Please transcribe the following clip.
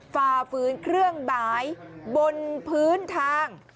ฝ่าฝืนเครื่องหมายบนพื้นทาง